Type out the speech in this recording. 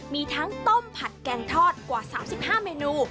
มีทั้งต้มผัดแกงทอดกว่า๓๕เมนู